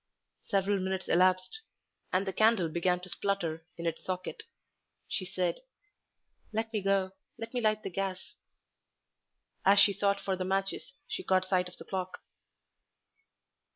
Several minutes elapsed, and the candle began to splutter in its socket. She said "Let me go; let me light the gas." As she sought for the matches she caught sight of the clock.